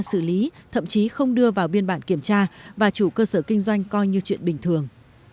xử lý thậm chí không đưa vào biên bản kiểm tra và chủ cơ sở kinh doanh coi như chuyện bình thường